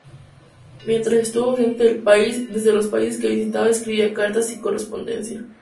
Mientras estuvo ausente del país desde los países que visitaba escribía cartas y correspondencia.